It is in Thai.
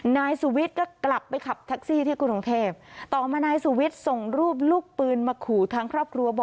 นายสุวิทย์ก็กลับไปขับแท็กซี่ที่กรุงเทพต่อมานายสุวิทย์ส่งรูปลูกปืนมาขู่ทั้งครอบครัวบอก